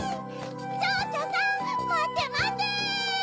ちょうちょさんまてまて！